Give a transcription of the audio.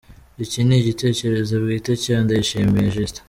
Iki ni Igitekerezo bwite cya Ndayishimiye Justin .